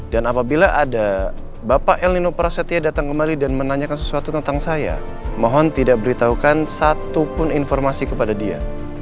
apabila ada bapak el nino prasetya datang kembali dan menanyakan sesuatu tentang saya mohon tidak beritahukan satupun informasi kepada dia